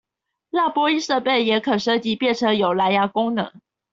讓播音設備也可升級變成有藍芽功能